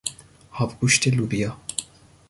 آبگوشت لوبیا